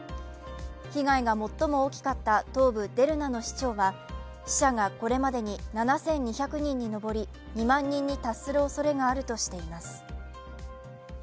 被害が最も大きかった東部デルナの市長は死者がこれまでに７２００人に上り、２万人に達するおそれがあるとしています。